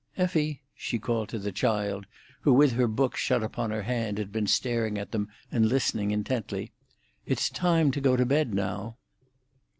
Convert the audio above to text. Effie!" she called to the child, who with her book shut upon her hand had been staring at them and listening intently. "It's time to go to bed now."